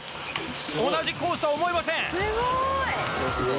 同じコースとは思えませんすごい！